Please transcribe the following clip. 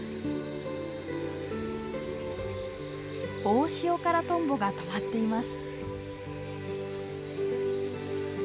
オオシオカラトンボが止まっています。